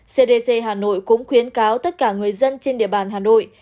cdc hà nội cũng khuyến cáo tất cả người dân trên địa bàn hà nội